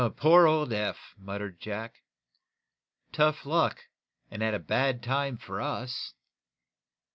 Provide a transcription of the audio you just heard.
"Poor old Eph!" muttered Jack. "Tough luck, and at a bad time for us."